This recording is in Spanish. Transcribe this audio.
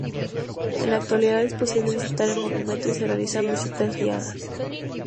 En la actualidad es posible visitar el monumento y se realizan visitas guiadas.